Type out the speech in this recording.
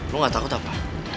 lu gak takut apa